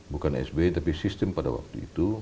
bukan sbi tapi sistem pada waktu itu